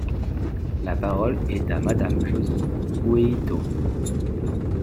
La parole est à Madame Josy Poueyto.